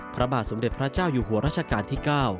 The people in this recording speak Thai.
พระบาทสมเด็จพระเจ้าอยู่หัวรัชกาลที่๙